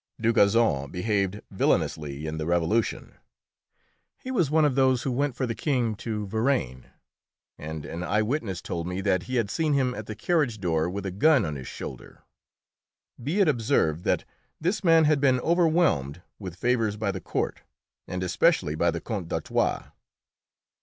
Dugazon behaved villainously in the Revolution: he was one of those who went for the King to Varennes, and an eyewitness told me that he had seen him at the carriage door with a gun on his shoulder. Be it observed that this man had been overwhelmed with favours by the court, and especially by the Count d'Artois.